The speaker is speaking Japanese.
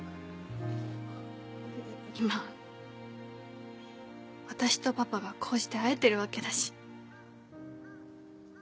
今私とパパがこうして会えてるわけだし。